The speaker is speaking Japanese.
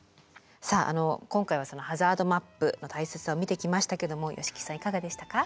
さあ今回はハザードマップの大切さを見てきましたけども吉木さんいかがでしたか。